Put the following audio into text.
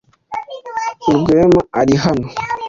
Rwema ari hano?